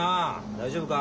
大丈夫か？